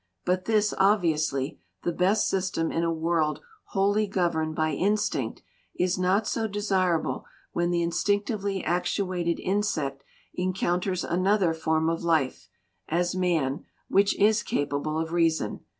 But this, obviously the best system in a world wholly governed by instinct, is not so desirable when the instinctively actuated insect encounters another form of life, as man, which is capable of reason.